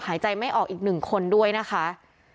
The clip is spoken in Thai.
หายใจไม่ออกอีก๑คนด้วยนะคะ